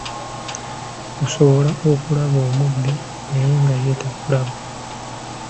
Osobola okulaba omubbi naye nga ye takulaba.